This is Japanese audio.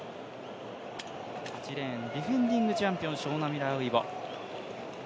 ８レーン、ディフェンディングチャンピオンショウナ・ミラーウイボ。